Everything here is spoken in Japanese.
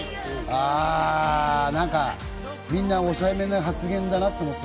みんな抑えめな発言だなと思っている。